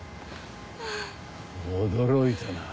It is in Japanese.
驚いたな。